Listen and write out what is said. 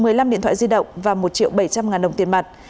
một mươi năm điện thoại di động và một triệu bảy trăm linh ngàn đồng tiền mặt